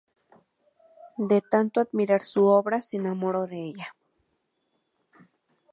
De tanto admirar su obra, se enamoró de ella.